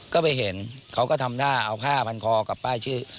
ก็ไปเห็นเขาก็ทำหน้าเอาผ้าพันคอกับป้ายชื่อ